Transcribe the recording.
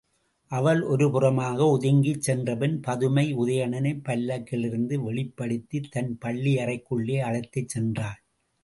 அவள் ஒரு புறமாக ஒதுங்கிச் சென்றபின் பதுமை உதயணனைப் பல்லக்கில் இருந்து வெளிப்படுத்தித் தன் பள்ளியறைக்குள்ளே அழைத்துச் சென்றாள்.